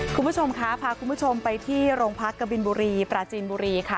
คุณผู้ชมคะพาคุณผู้ชมไปที่โรงพักกบินบุรีปราจีนบุรีค่ะ